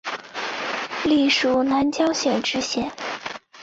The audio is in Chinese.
历署南江县知县。